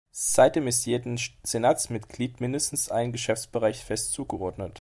Seitdem ist jedem Senatsmitglied mindestens ein Geschäftsbereich fest zugeordnet.